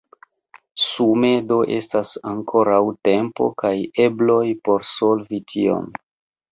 Sume do estas ankoraŭ tempo kaj ebloj por solvi tion.